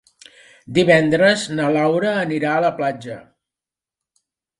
Divendres na Laura anirà a la platja.